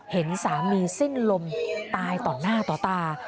เห็นสามีสิ้นลมตายต่อหน้าต่อตา